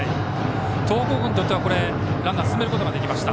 東北高校にとってはランナーを進めることができました。